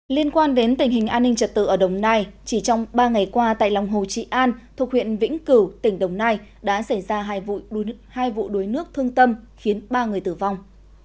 liên quan đến tình hình an ninh trật tự ở đồng nai chỉ trong ba ngày qua tại lòng hồ trị an thuộc huyện vĩnh cửu tỉnh đồng nai đã xảy ra hai vụ đuối nước thương tâm khiến ba người tử vong